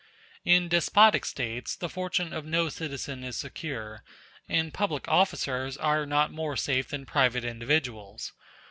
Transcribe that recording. ] In despotic States the fortune of no citizen is secure; and public officers are not more safe than private individuals.